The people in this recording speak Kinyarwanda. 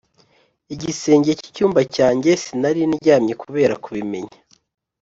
igisenge cy'icyumba cyanjye. sinari ndyamye kubera kubimenya